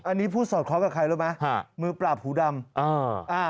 อันนี้พูดสอดคล้องกับใครรู้ไหมฮะมือปราบหูดำอ่าอ่า